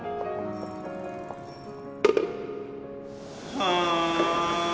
はあ。